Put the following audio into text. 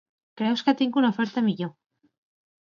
Creus que tinc una oferta millor.